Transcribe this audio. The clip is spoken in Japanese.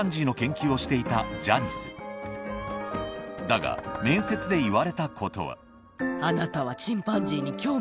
だが面接で言われたことはあなたは。